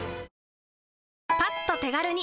パッと手軽に！